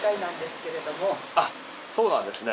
そうなんですね。